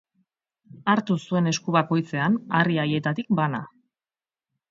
Hartu zuen esku bakoitzean harri haietatik bana.